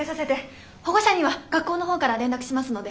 保護者には学校の方から連絡しますので。